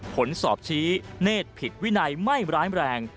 ผลสอบชี้เนธผิดวินัยไม่ร้ายแรง